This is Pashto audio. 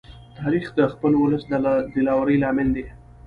تاریخ د خپل ولس د دلاوري لامل دی.